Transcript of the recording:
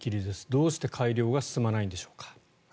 どうして改良が進まないんでしょうか。